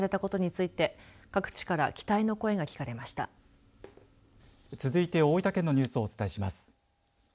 続いて大分県のニュースをお伝えします。